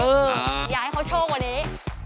เอออยากให้เขาโชว์กว่านี้